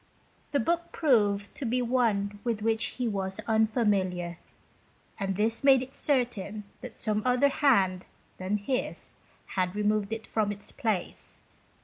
The book proved to be one with which he was unfamiliar, and this made it certain that some other hand than his had removed it from its place.